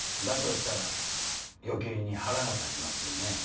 だとしたら余計に腹が立ちますよね。